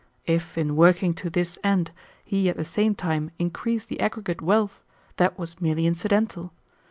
If, in working to this end, he at the same time increased the aggregate wealth, that was merely incidental.